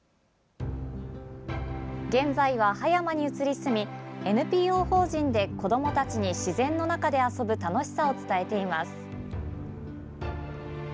現在は葉山に移り住みＮＰＯ法人で子どもたちに自然の中で遊ぶ楽しさを伝えています。